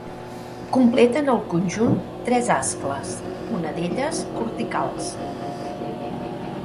Completen el conjunt tres ascles, una d’elles corticals.